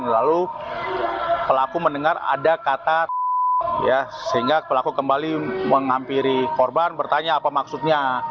lalu pelaku mendengar ada kata sehingga pelaku kembali menghampiri korban bertanya apa maksudnya